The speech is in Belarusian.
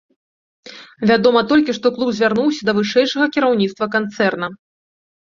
Вядома толькі, што клуб звярнуўся да вышэйшага кіраўніцтва канцэрна.